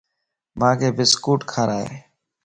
مانک بسڪوٽ ڪارائي